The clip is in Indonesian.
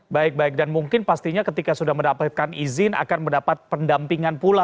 baik baik dan mungkin pastinya ketika sudah mendapatkan izin akan mendapat pendampingan pula